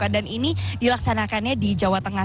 dan ini dilaksanakannya di jawa tengah